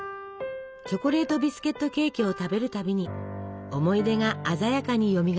チョコレートビスケットケーキを食べるたびに思い出が鮮やかによみがえります。